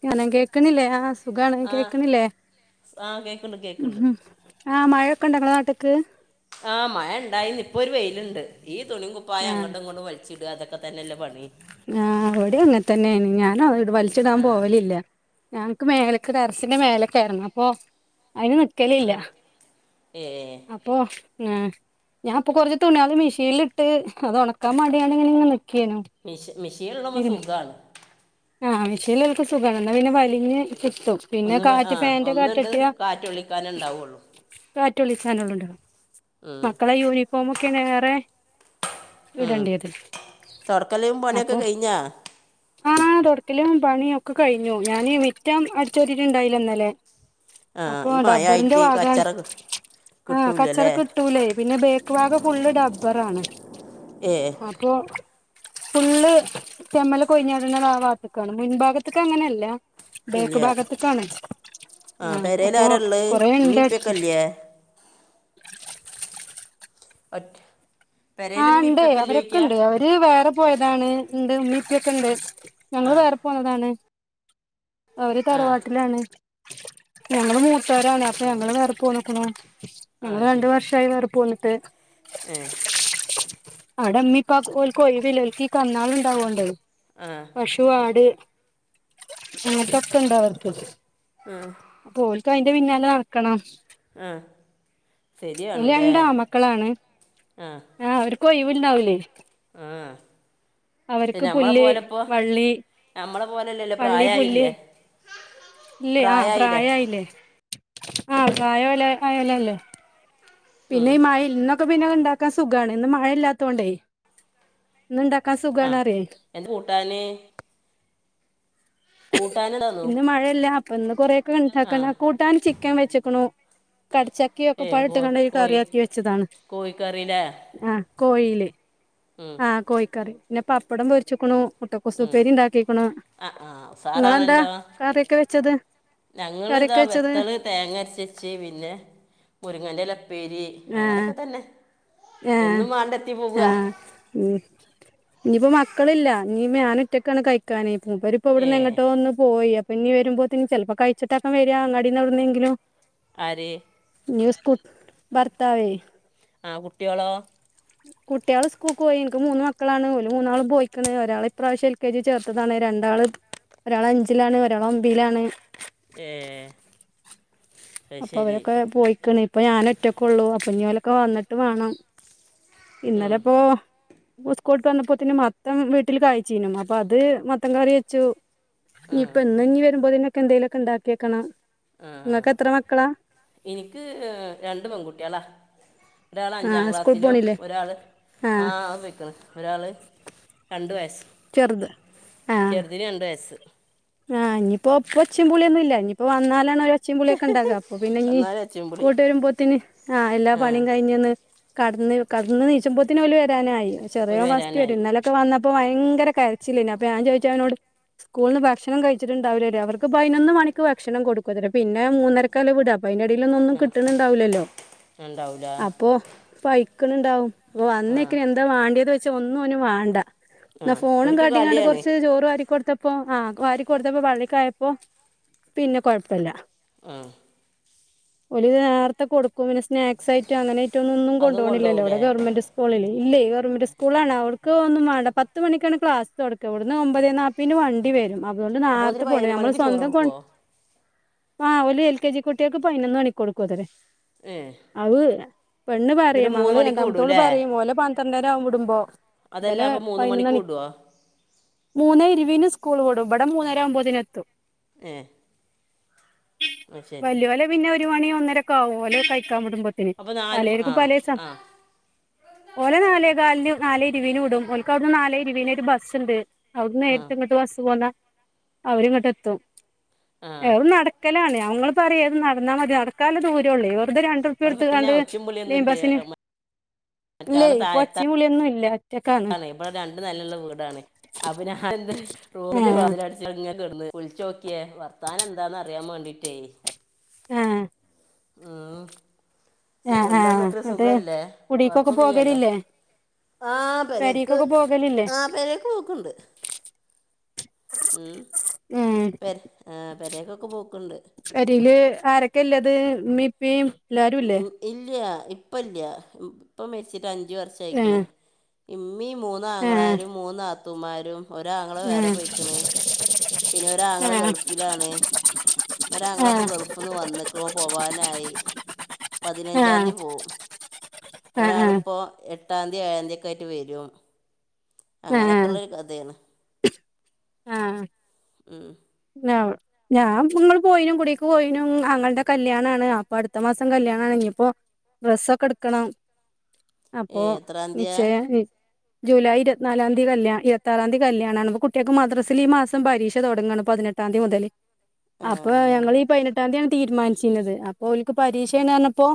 [unintelligible] കേക്കണില്ലേ ആ സുഖാണ് ആ കേക്കണില്ലേ ആ കേൾക്കുന്നുണ്ട് ഉ കേൾക്കുന്നുണ്ട് ഹും ആഹ് മഴയൊക്കെ എണ്ട നിങ്ങടെ നാട്ടിക്ക് ആ മഴ ഇണ്ടായിന്ന് ഇപ്പൊരു വെയിലിണ്ട് ഈ തുണീം കുപ്പായോം ആ അങ്ങട്ടും ഇങ്ങട്ടും വലിച്ചിട അതൊക്കെ തന്നെല്ലേ പണി തന്നേ ഞാന [unintelligible] വലിച്ചിടാൻ ആ പോവലില്ല ഞങ്ങക്ക് മേലേക്ക് ടെറസിന്റെ മേലെക്കേറണം അപ്പൊ അതിന് നിക്കലില്ല ആ ഏ അപ്പൊ ഞാ ഞാൻ ഇപ്പൊ കൊറച്ച് തുണിയള് മെഷീനീലിട്ട് അത് ഒണക്കാൻ മടിയാണ് [unintelligible] മിഷ മിഷ്യനിള്ളപ്പോ സുഖാണ് ആ മിഷ്യണിള്ളപ്പോ സുഖാണ് അന്നാ പിന്നെ വലിഞ്ഞ് കിട്ടും പിന്നെ ഒന്ന് വ- കാറ്റ് ആ ഫാന്റെ കാറ്റ് ഒന്നുണ്ട് കിട്ടിയ കാറ്റൊള്ളിക്കാനേ ഉണ്ടാവുള്ളൂ കാറ്റ് കൊള്ളിക്കാനെള്ള ഇണ്ടാവും ഉം, മക്കളെ യൂണിഫോമക്കെ വേറെ ഉം. വിടണ്ടത് തുടക്കലും പണിയൊക്കെ അപ്പൊ കഴിഞ്ഞാ ആ തുൊടക്കലും പണിയ ഒക്കെ കഴിഞ്ഞു ഞാൻ വിറ്റാൻ അടുിച്ചൊരിട്ട്ുണ്ടായില്ല എന്നലെ ആ അപ്പൊ ഈ ഡബ്ബറിന്റെ മഴയായിട്ട് വാഗാണ് കച്ചറ കി- ആ കിട്ടൂലല്ലേ കച്ചറക്ക് ഇട്ടൂലേ പിന്നെ ബേക്ക് ഭാഗം ഫുള്ള് ഡബ്ബറാണ്. ഏ അപ്പൊ ഫുള്ള് ചെമ്മല് [unintelligible] ആ ഭാഗത്തക്കാണ് മുൻഭാഗത്തേക്കങ്ങനെയല്ല ബേക്ക് ഇല്ല ഭാഗത്ത് കാണത് ആ പെരയിൽ അപ്പൊ ആരാള്ളത് കൊറെേ ഉമ്മ ഇപ്പൊക്കെ ഉണ്ടായി ഇല്ലേ [unintelligible] അച് ആ ണ്ട് അവരൊക്കെ ഉണ്ട് അവര് വേറെ പോയതാണ് ഉണ്ട് ഉമ്മീപ്പൊക്കെ ഉണ്ട് ആ ഞങ്ങള് വേറെ പോന്നതാണ് അവര് ആ തറവാട്ടിലാണ് ഞങ്ങള് ാണ് അപ്പൊ ഉം ഞങ്ങള് വേറെ പോന്നക്കണ് ഞങ്ങള് അത് രണ്ട ശരി വർഷായി വേറെ പോന്നിട്ട് ഏ അവിടെ അമ്മിപ്പായി വിലക്ക് ഈ കന്നാള ഉണ്ടാവോണ്ട ആ പശു ആട് ആ തൊക്കണ്ടോ അവർക്ക് അപ്പോൽക്ക് അയ്ന്റെ പിന്നാലെ നടക്കണം ആ ഒരു രണ്ടാമക്കളാണ് ആഏ കൊ ഇവിണ്ടാവില്ലേ ആ ഞമ്മളെ പുല്ല് പോലെ ഇപ്പോ വള്ളി നമ്മളെ പോലല്ലല്ലേ വള്ളി പുല്ല് പ്രായയില്ലേ ഇല്ലേ ആഹ പ്രായായില്ലേ ആ ഗായല്ലേ ആയലേ അല്ലേ ഉം പിന്നെ ഈ മഴൽ ഇന്നൊക്കെ പിന്നെെ ഉണ്ടാക്കാൻ സുഖാണ് ഇന്ന് മഴയില്ലാത്ത കൊണ്ടേ നിണ്ടാക്ക ആ സുഖാണേ പറയെ എന്ത് കൂട്ടാന് കൂട്ടാനടാന്നു ഒന്ന് കൊറൊക്കെ ഉണ്ടാക്കണ കൂട്ടാൻ ചിക്കൻ വെച്ചക്കണു കടിച്ചാക്കിയ ഒക്കെ ഏ പഴട്ട കോയി കണ്ട കോയി കറിയാക്കി വെച്ചതാണ് കോഴിക്കറില്ലേ ആ കോഴയില് ഉം ആ കോഴിക്കറി പിന്നെ പപ്പടം പൊരിച്ചക്കണു മുട്ടക്കോസ് ഉം ഉപ്പേരി ഉണ്ടാക്കിക്കണ ആ ആ നിങ്ങളെന്താ കറിയൊക്കെ വെച്ചത് ഞങ്ങ ഇതാ കറിയൊക്കെ വെച്ചത് വെത്തല് തേങ്ങ അരച്ച വെച്ച് പിന്നെ മുരങ്ങന്റെ ഇലപ്പേരി അങ്ങനൊക്കെ തന്നെ ആ എന്നും മാണ്ടെത്തി ആ പോവുക ഉ ഇനിയിപ്പോ മക്കളില്ല നീ ഞാൻുറ്റക്കാണ് കഴിക്കാനേ മൂപ്പരിപ്പ ഇവിടുന്ന് ഏ ഇങ്ങോട്ട് ഒന്ന് പോയി പിഞ്ഞി വരുമ്പോതിനി ചിലപ്പോ കഴിച്ചിട്ടൊക്കെ വരിക അങ്ങാടീന്ന്വിുന്നെങ്കിലും ആര് ന്ൂസ് കുൂട്ട ബർത്തവിേ ആ കുട്ടിയോളോ കുട്ടിയാൾ സ്കൂൾക്ക് പോയിനിക്ക് മൂന്ന് മക്കളാണ് മൂന്നാൾും പോയിക്കുന്നത് ഒരാൾ ഇപ്രാവശ്യം എൽ കെ ജി ചേർത്തതാണ് രണ്ട് രണ്ടാള് ഒരാൾ അഞ്ചിലാണ് ഒരാൾ ഒമ്പിലാണ് [unintelligible] അത് അപ്പൊ ശരി അവരൊക്കെ പോയിക്കണ് ഇപ്പൊ ഞാൻ ഒറ്റൊക്കെള്ളൂ അപ്പൊ ഇനിവലൊക്കെ വന്നിട്ട് വാണം ഉം ഇന്നലെപ്പോൊ ഉസ്കോട്ട് വന്നപ്പോ തന്നെ മത്തം വീട്ടിൽ കായച്ചീനും അപ്പൊ അത് മത്തം കറി വെച്ചു ആ ഇനി ഇപ്പ ഇന്ന് ഇനി വരുമ്പോന്നൊക്കെ എന്തേലുമൊക്കെ ഉണ്ടാക്കിയേക്കണം ആ നിങ്ങക്ക് എത്ര മക്കളാ എനിക്ക് രണ്ട് പെൺകുട്ടികളാണ് ഒരാളഞ്ചാം ആ സ്കൂൾ ക്ലാസ്സിലും പോണില്ലേ ഒരാള് ആ ഓൻ പോയിക്ക്‌ണ് ഒരാള് രണ്ട് വയസ്സ്. ചെറുത് ആ ചെറുതിന് രണ്ട് വയസ്സ്. ആഹ് ഇനിയിപ്പോ പ്പൊ ഒച്ചും പുളിയൊന്നും ഇല്ല ഇനിയിപ്പോ വന്നാലാണൊരു ഒച്ചീമ്പുളിയൊക്കെ ഇണ്ടാകാ അപ്പൊ പിന്നെ ഇനി എന്നാൽ അച്ചുമ്പുളി സ്‌കൂട്ട് വരുമ്പോത്തിന് ആ എല്ലാ പണിയും കഴിഞ്ഞ് ന്ന് കടന്ന് കടന്ന് നീച്ചുമ്പോത്തിന് ഓല് വരാനായി ഒരു ചെറ്യോൻ ഫസ്റ്റ് വരാനായി വരും ഇന്നലൊക്കെ വന്ന പ്പൊ ഭയങ്കര കരച്ചില്ലേന്നു. അപ്പൊ ഞാൻ ചോയിച്ചു ഓനോട്‌ സ്കൂളിന്ന് ഭക്ഷ ണം കഴിച്ചിട്ടുണ്ടാവില്ലോര് അവർക്ക് പതിനൊന്ന് മണിക്ക് ഭക്ഷണം കൊടുക്കൊത്രേ പിന്നെ മൂന്നരക്കാ ഓലെ വിടാ അപ്പ അയിന്റെടീല് ഒന്നൊന്നും ആ കിട്ടണണ്ടാവില്ലല്ലോ ഉണ്ടാവൂല അപ്പൊ പൈക്ക്ണ് ണ്ടാവും. ഓൻ ആ വന്നേക്കന്നെ എന്താ വാണ്ടിയതോയ്ച്ചാ ഒന്നും ഓന് വേണ്ട. ആ എന്നാ ഫോണും ഒരിക്ക് കാട്ടിങ്കാണ്ട് കളിയാണ് കൊറച്ച് ചോറ് വാരി കൊടുത്തപ്പോ ആ വാരി കൊടുത്തപ്പോ പള്ളീക്കായപ്പോ പിന്നെ കൊഴപ്പല്ല. ആഹ്. ഒലിത് നാർത്തെ കൊടു ക്കും പിന്നെ സ്നാക്സായിട്ടും അങ്ങനായിട്ടൊന്നൊന്നും അതും കൊണ്ടോണില്ലല്ലോ കൊണ്ടുപോകൂലേ ഇവിടെ ഗവർമെന്റ്സ്‌കൂളല്ലേ ഇല്ലേ ഗവർമെന്റ് സ്കൂളാണ് അവർക്ക് ഒന്നും വേണ്ട. പത്ത് മണിക്കാണ് ക്ലാസ് തൊടക്കാ വിടുന്ന് ഒമ്പതേ നാൽപ്പീന് വണ്ടി വരും. അതുകൊണ്ട് അപ്പോൾ അതിന് നേരത്തെ പതിനൊന്ന് പോണ്ടേരും നമ്മള് മണിക്ക് ചോറ് സ്വന്തം കൊണ്ട് കൊടുക്കുമോ ആ ഓല് എൽ കെ ജി കുട്ട്യാക്ക് പതിനൊന്ന് മണിക്ക് കൊടുക്കോത്തരെ ഏ അഅ് പെണ്ണ് എന്നിട്ട് പറയും മൂന്ന് മകള് മണിക്ക് രണ്ടാമത്തോള് വിടൂല്ലേ പറയും ഓലെ പന്ത്രണ്ടരാവും വിടുമ്പോ അതെല്ലാം ഇബലെ അപ്പം മൂന്ന് മണിക്ക് പതിനൊന്നണി വിടുവോ മൂന്നേ ഇരുവീന് സ് കൂള് വിടും ബട മൂന്നരാവുമ്പോത്തിനെത്തും ഏ ആ ശരി വല്ല്യോലെ പിന്നെ ഒരു മണി ഒന്നരൊക്കെ ആവും ഓലെ കഴി ക്കാൻ വിടുമ്പത്തിന് അപ്പോൾ നാല് മ- ആ പലേര്ക്കും പലേസം ആ ഓലെ നാലേ കാലിന് നാലേ ഇരുവീന് വിടും ഓൽക്കവിടുന്ന് നാലേ ഇരുവീനൊരു ബസ് ഇണ്ട്. അവിടുന്ന് ആ നേരിട്ട് ഇങ്ങട്ട് ബസ് പോന്നാ അവരിങ്ങട്ട് എത്തും. ആ ഏ ഓല് നടക്കലാണ് നമ്മള് പറയാത് നടന്നാൽ മതി നടക്കാലേ ദൂരെ ഉള്ളേ വെർതെ രണ്ടുറുപ്പ്യ ഇവിടെ പിന്നെ കൊടുത്തങ്കാണ്ട് ഒച്ചും ലൈൻ പുളിയൊന്നുമില്ലേ ബസിന് ഇല്ലേ ഇപ്പൊ ഒച്ചീമ്പുളിയൊന്നും ഇല്ല. ഒറ്റക്കാണ് അതെ ഇബടെ രണ്ട് നെലള്ള വീടാണ് അപ്പൊ ഞാൻ ഇന്ന് റൂമിന്റെ ആഹ് വാതിലടിച്ചങ്ങ നെ കെടന്ന് വിളിച്ചോക്കിയേ വർത്താനെന്താന്ന് അറിയാൻ വേണ്ടീട്ടേ ആഹ് ആഹ് ആഹ് ആഹ് ആഹ് ന്ന്ട്ട് കുടീക്കൊക്കെ കുഴപ്പമൊന്നുമില്ലല്ലോ പോകലില്ലേ? ആ പെരേക്ക് പെരീക്കൊക്കെ പോകലില്ലേ ആ പെരേക്ക് പോക്കുണ്ട്. ഉം ഉം പെര് ആഹ് പെരേക്കൊക്കെ പോക്കണ്ട്. പെരീല് ആരൊക്കെ ഇല്ലത്? ഇമ്മീം ഇപ്പീം ഉം ഇല്ല്യ ഇപ്പല്ല്യാ ഇപ്പ മെരിച്ചിട്ട് അഞ്ച് വർഷായിക്ക്‌ണ് ആഹ് ഇം മ്മീം ആഹ് മൂന്നാങ്ങളാരും മൂന്നാത്തൂമാരും ഒരാങ്ങള വേറെ പോയിക്കണ് പിന്നെ ഒരാങ്ങള ആഹ് ഗൾഫിലാണ്. ഒരാങ്ങളപ്പോ ആഹ് ഗൾഫിന്ന് വന്ന്ക്കുണു ഓൻ പോവാനായി പതിനഞ്ചാംന്തി ആഹ് പോകും ആഹ് ഒരാളിപ്പോ എട്ടാംന്തി ഏഴാംന്തിയൊക്കെ ആയിട്ട് വരും. ആഹ് ആഹ് അങ്ങനെയൊക്കെള്ള ഒരു കഥേണ്. ആഹ് ഉം ഞാൻ ഇപ്പൊ ങ്ങള് പോയിനു കുടീക്ക് പോയിനും ആങ്ങൾടെ കല്യാണാണ് അപ്പൊ അടുത്ത മാസം കല്യാണാണ്. ഇഞ്ഞിപ്പൊ ഡ്രസ്സൊക്കെ എടുക്കണം. ഏ അപ്പൊ എത്രാം തീയതിയാ നിച്ചയാണ് ജൂലൈ ഇരുപത്തിനാലാന്തി കല്യാ ഇരുപത്താറാന്തി കല്യാണാണ്. അപ്പൊ കുട്ട്യാൾക്ക് മദ്റസ് സിലീ മാസം പരീക്ഷ തുടങ്ങാണ്. പതിനെട്ടാന്തി മുതല് ആ അപ്പൊ ഞങ്ങീഈ പതിനെട്ടാം തീയതിയാണ് തീരുമാനിച്ചിരുന്നത് അപ്പൊ അവലക്ക് പരീക്ഷന്ന പറഞ്ഞപ്പോ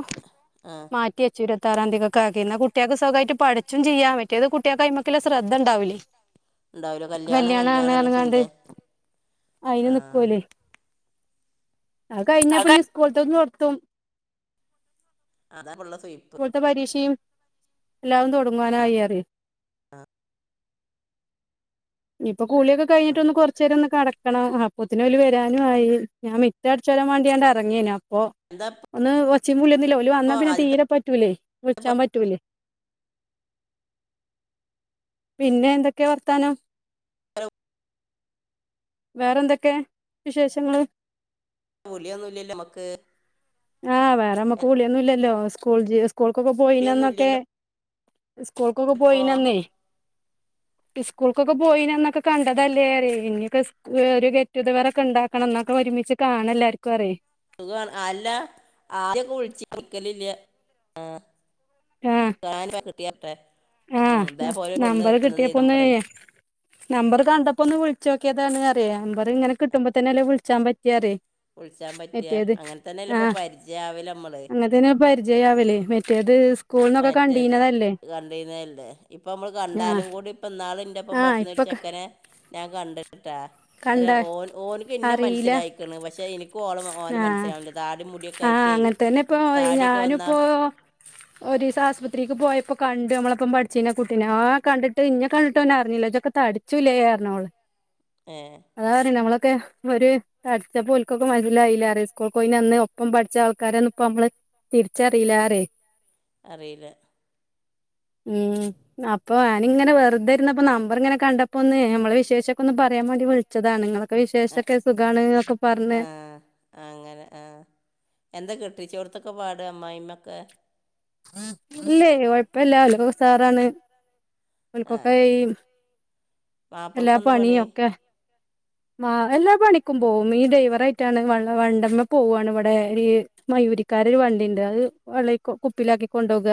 ആ മാറ്റിയച്ചുര ഉത്തറാം തതിൊക്കെ ആക്കിാ കുട്ടൾക്ക് സുഖമായിട്ട പഠിച്ചും ചെയ്യാ പറ്റ അത് കുട്ടികൾക്ക് അ്മമ്മക്കെുള്ള ശ്രദ്ധ ഉണ്ടാവില്ലേ ഉണ്ടാവില്ലോ കല്യാണം കല്യാ ണ കണ്ട് അയിന് ആ നിക്കൂല്ലേ അത് കഴിഞ്ഞപ്പ സ്കൂളത്തന്ന് നിർത്തും അതാ പിള്ള സുയ്പ്പ് എല്ലും തുൊടങ്ങാനായിറി കൂളിയൊക്കെ കഴിഞ്ഞട്ട് ഒ കൊറച്ചര ഒന്ന് കിടക്കണം അപ്പത്തിന ഓൽ വരാനു ആയി ഞാൻ മിറ്റ അടിച്ചോല്ലം വേണ്ടിയാണ്ട് ഇറങ്ങേന അപ്പൊ എന്താ ഒന്ന് ഒച്ചി പുുള്ളുന്നില്ല വന്നാ ഇപ്പോൾ പിന്നെ ആദ്യത്തെ തീരെ പറ്റൂലേ വിളിച്ചാൻ പറ്റൂലേ പിന്നെ എന്തൊക്കെയാ വർത്താനം ഹലോ [unintelligible] വേറെന്തൊക്കെ വിശേഷങ്ങള് പൊളിയൊന്നും ഇല്ലല്ലേ നമക്ക് ആഹ് വേറെമ്മക്ക് വിളിയൊന്നുംല്ലല്ലോ സ്കൂൾ ജ സ്കൂൾക്കൊക്കെ പുലിയൊന്നും പോയിനന്നൊക്കെ ഇല്ലല്ലോ സ്കൂൾക്കൊക്കെ ഇപ്പൊ പോയിനന്നേ സ്കൂൾക്കൊക്കെ പോയിനന്നൊക്കെ കണ്ടതല്ലേറേ ഇനൊക്കെ ഗേറ്റുഗതറാ െ ഉണ്ടാക്കണം എന്നൊക്കെ ഒരുമിച്ച് കാണ എല്ലർക്കും അറിയേ സുഖ അല്ല ആദ്യൊക്കെ കുഴിച്ചി നിിക്കലില്ല ആ [unintelligible] ആ നമ്പർ കിട്ടിയപ്പോ നമ്പറേ ഒന്ന്്യ നമ്പർ കണ്ടപ്പോൊ ഒന്ന് വിളിച്ച നോക്കിയതാണ് അിയ നമ്പ ഇങ്ങനെ കിട്ടുമ്പോ തന്നെ അല്ലേ വിളിച്ചാ പറ്റിയാറേ വിളിച്ചാൻ പറ്റിയ അങ്ങനെ തന്നെല്ല ഇപ്പൊ ആഹ് പരിചയവില്ല നമ്മള് അങ്ങനത്തന്നെ പരിചയാവലേ മറ്റേത് സ്കൂളന്നൊക്കെ കണ്ടീനതല്ലേ ുന്നല്ലേ ഇപ്പൊ നമ്മള് ആഹ് കണ്ടാലും കൂടി ഇപ്പ ഇാള ഇന്റെപ്പ ആഹ് പഠിച്ച ഇപ്പൊ ചക്കനെ ഞാൻ കണ്ടിട്ടാ അല്ല കണ്ട ഓ ഓനക്ക് ഇന്നെ അറിയില്ല മനസ്സിലായിണ് പക്ഷെനി ഓള ഓന ആഹ് മനസ്സിലാവില്ല താടി മുടിയൊക്കെ ആഹ് ആയിട്ടേ അങ്ങനെ തന്നെ താടിയൊക്കെ വന്നാ ഒരേസം ആശുപത്രിക്ക് പോയപ്പോ കണ്ട് നമ്മളപ്പം പഠിച്ചഞ്ഞ കുട്ടിനെ ആഹ കണ്ടി് ന്നേ കണ്ടിട് ഓനറഞ്ഞില്ല ആ തടിചൂലേ പറഞ്ഞോള് ഏഹ് അതാ പറ നമ്മളൊക്കെ ഒരു തടിച്ച പോല ക്കൊക്കെ മനസ്സിലായില്ല ആ സ്കൂൾ കോയി അന്ന് ഒപ്പം പഠിച്ച ആൾക്കാരന്ന ഇപ്പ നമ്മള് തിരിച്ചറിയില്ല ആരേ അറിയില്ല ഉം അപ്പൊ ഞാന ഉം ഇങ്ങനെ വെറുതെ പ്പ നമ്പർ ഇങ്ങനെ കണ്ടപ്പോ ഒന്ന് നമ്മെളെ വിശേഷൊക്കെ ഒന്ന് പറയാൻതിി വിളിച്ചതാണ് നിങ്ങളെ െ ആഹ് വിശേഷൊക്കെ സുഖമാണ്ൊക്കെ പറഞ്ഞ് ആഹ് കെട്ടി ചോടത്തൊക്കെ പാട അമ്മ ഇമ്മൊക്കെ ഇല്ലേ കൊഴപ്പല്ല ഓക്കൊക്കെ സാറാണ് ആഹ് അവൽക്കൊക്കെ ഏ എല്ലാ മാപ്പിളക്ക് എന്താ പണി പണിയൊക്കെ ആ എല്ലാ പണിക്കും പോവുംും ഈ ഡൈവറ ആയിട്ടാണ് വ വണ്ടമ്മ പോവാണ് ഇവിടെ ഈ മ ജീവരിക്കാരരു വണ്ടിുണ്ട് അത് വെള്ള കുപ്പിലാക്കി കൊണ്ടോക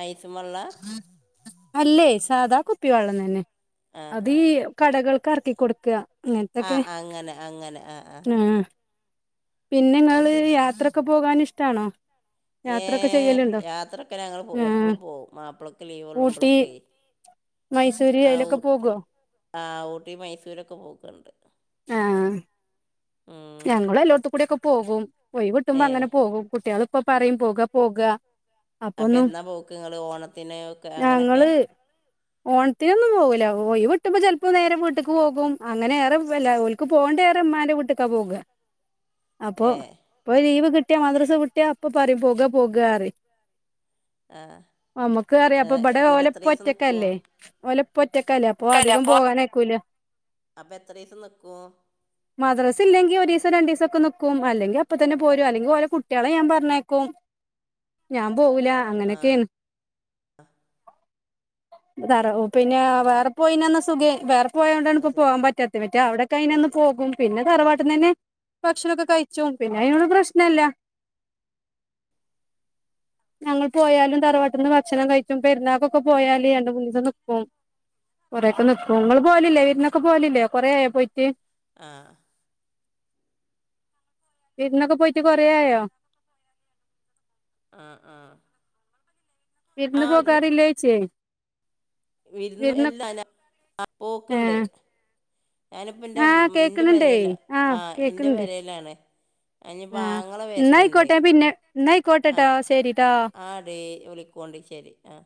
അയിസും വെള്ള [unintelligible] അല്ലേ സാധാ കുപ്പി വെള്ളം തന്നെ ആഹ് അതി കടകൾക്ക് എറക്കി കൊടുക്ക ആ അങ്ങനെ അങ്ങനെ ആഹ് ആഹ് അത് പിന്നെങ്ങള്ൾ യാത്രൊക്കെ പോകൻ ഇഷ്ടാണോ യാത്രൊക്കെ ഏർ ചെയ്യലുണ്ടോ യാത്രൊക്കെ ഞങ്ങള്ൾ പോ ആഹ് എപ്പഴും പോവും മാപ്പിളൊക്കെ ലീവ് ഊട്ടി കൊള്ളുമ്പോളൊക്കെ [inaudible] ആ ഊ അയിലൊക്കെ പോകോ ആ ഊട്ടി മൈസൂരൊക്കെ പോക്കണ്ട് ആ ഞങ്ങൾ എല്ലോത്ത കൂടി ഒക്കെ പോകും ഒഴിവിട്ടുമ്പോ ഏഹ് അങ്ങനെ പോകും കുട്ടിയാൾ ഇപ്പൊ പറയും പോക പോക അപ്പൊ അപ്പൊന്നും എാ പോക്ക് നിങ്ങള് ഓണത്തിനൊക്കെ അങ്ങനൊക്കെ. ഞങ്ങള് ഓണത്തിനൊന്നും പോകൂില്ല ഓയി വിട്ടുമ്പോ ചിലപ്പോ നേരെ വീട്ടേക്ക് പോകും അങ്ങനെ ഏറെല്ല ഓലക്ക് പോകേണ്ട. വിട്ടക്ക പോ അപ്പോൊ ഏഹ് പോ ലീവ് കി കുട്ടിയ മദ്രസ കുട്ടിയാ അപ്പൊ പറയും പോക പോകറിയും ആഹ് നമ്മുക്ക് അറിയ അപ്പൊ ഇവിടെ എന്നിട്ട് ഓല എത്ര പൊ ദിവസം നിക്കും ഒറ്റക്കല്ലേ ഓല ക്കല്ലേ അപ്പൊ അധികം പോകാനയാക്കൂല അപ്പൊ എത്ര ദിവസം നിക്കും മദ്രസ ല്ലങ്ക ഒരു ദസം രണ്ട ദസംക്കെ നക്കും അല്ലെങ്ക അപ്പ തന്നെ പോരും അല്ലെങ്കിൽ ഓര കുട്ടികളെ ഞൻ പറഞ്ഞേക്കും ഞാൻ പോവല അങ്ങനെയൊക്കെയാണ്. ആ [unintelligible] ത ഓ പിന്നെ വേറെ പോയിന്നന്ന സുഖം വേറെ പോയത് കൊണ്ടാണ് അത് ഇപ്പോ പോവാൻ പറ്റാത്ത പറ്റ അവിടൊക്കെ അയിതിന ഒന്ന് ശരി പോകും പിന്നെ തറവാട്ട നി തന്നെ ഭക്ഷണംൊക്കെ കഴിച്ചു പിന്നെ അതിനട് പ്രശ്നല്ല. [inaudible] ഞങ്ങൾ പോയാലും തറവാട്ടിൽന്ന് ഭക്ഷണം കഴിച്ചും പെരുന്നാാക്കൊക്കെ പോയാലും രണ്ട് മുന്നസ നിൽക്കും കൊറെ ഒക്കെ നക്ക നിങ്ങള്ൾ പോലില്ലേ വീരിനൊക്കെ പോലില്ലേ കൊറ ആയ പോയിട്ട് ആഹ് വീരുനോക പോയിട്ട് കൊറായോ ആഹ ആഹ വിരുന്നു പോകാറില്ലേച്ചേ വിരുന്നു വിരുന്ന് എല്ലാം ഞാ [unintelligible] ആ പോക്കണ്ട് ഏഹ് ഞാനിപ്പ എറെ ആഹ് എന്റെ കേക്കണണ്ടേ പേരൽ ആഹ് ആ് എന്റെ കേക്കണ്ട് പേരയിലാണേ ഇന്നിപ്പ ആഹ് ആങ്ങള വരുന്നുണ്ട് എന്നായിക്കോട്ടെ പിന്നെ ആ എന്നായിക്കോട്ടെട്ടോ ശരിട്ടോ ആടി പോണ്ടിശ്ശേരി ആ